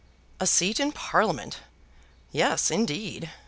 A seat in Parliament! Yes, indeed!